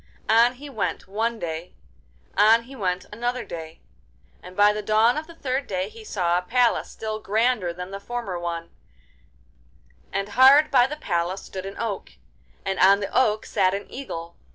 On he went one day, on he went another day, and by the dawn of the third day he saw a palace still grander than the former one and hard by the palace stood an oak, and on the oak sat an eagle.